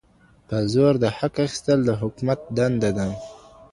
په زور د حق اخیستل د حکومت دنده ده.